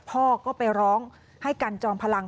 พ่อก็ไปร้องให้กันจอมพลัง